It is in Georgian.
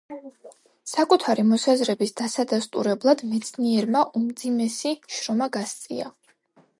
საკუთარი მოსაზრების დასადასტურებლად მეცნიერმა უმძიმესი შრომა გასწია.